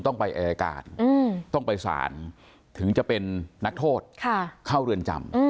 ต้องไปอายการต้องไปสารถึงจะเป็นนักโทษเข้าเรือนจำ